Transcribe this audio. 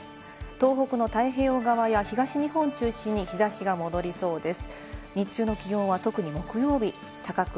東北の太平洋側や東日本中心に日差しが戻りそうです。